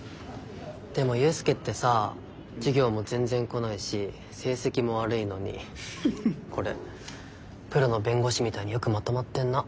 でも勇介ってさ授業も全然来ないし成績も悪いのにこれプロの弁護士みたいによくまとまってんな。